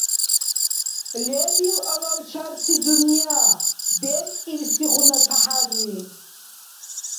Лебил алавчарси дунъя бебкӏибсигъуна тяхӏярри.